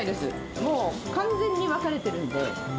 もう完全に分かれてるんで。